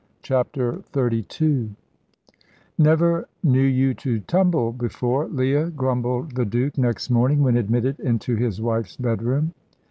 CHAPTER XXXII "Never knew you to tumble before, Leah," grumbled the Duke, next morning, when admitted into his wife's bedroom.